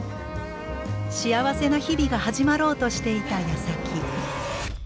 幸せな日々が始まろうとしていたやさき。